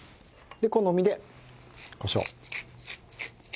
で好みでこしょう。